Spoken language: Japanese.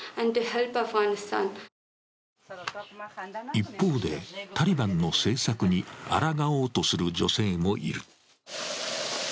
一方で、タリバンの政策にあらがおうとする女性もいる。